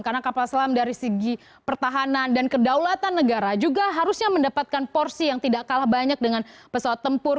karena kapal selam dari segi pertahanan dan kedaulatan negara juga harusnya mendapatkan porsi yang tidak kalah banyak dengan pesawat tempur